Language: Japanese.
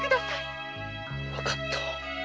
わかった。